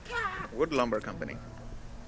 Wood Lumber Company.